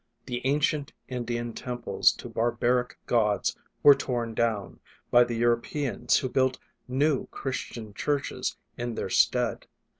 The ancient In dian temples to barbaric gods were torn down by the Europeans who built new Christian churches in their stead.